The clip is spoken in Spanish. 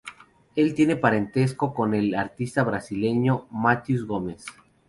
Él tiene parentesco con el artista brasileño Mateus Gomez.